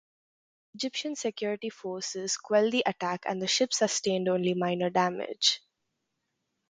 Egyptian security forces quelled the attack and the ship sustained only minor damage.